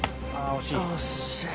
惜しい。